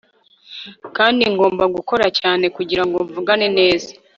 kandi ngomba gukora cyane kugirango mvugane neza